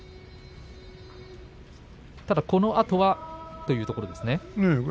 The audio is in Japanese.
ただ、このあとはというところですね。